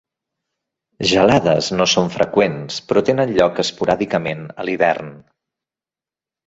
Gelades no són freqüents, però tenen lloc esporàdicament a l'hivern.